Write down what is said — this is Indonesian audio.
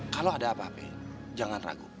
kalau ada apa apa jangan ragu